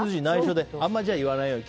じゃあ、あんまり言わないように。